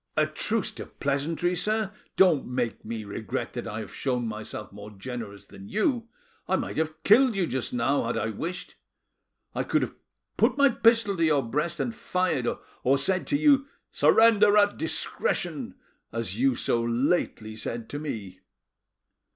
"A truce to pleasantry, sir; don't make me regret that I have shown myself more generous than you. I might have killed you just now had I wished. I could have put my pistol to your breast and fired, or said to you, 'Surrender at discretion!' as you so lately said to me."